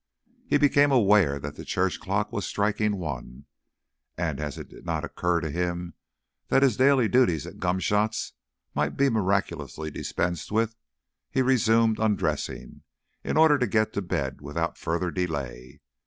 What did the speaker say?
He became aware that the church clock was striking one, and as it did not occur to him that his daily duties at Gomshott's might be miraculously dispensed with, he resumed undressing, in order to get to bed without further delay.